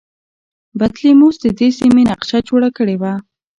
بطلیموس د دې سیمې نقشه جوړه کړې وه